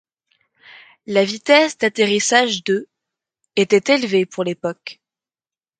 La vitesse d'atterrissage de était élevée pour l'époque.